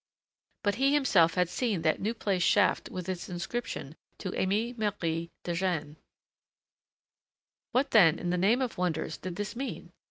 But he himself had seen that new placed shaft with its inscription to Aimée Marie Dejane.... What then in the name of wonders did this mean?